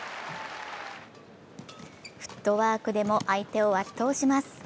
フットワークでも相手を圧倒します。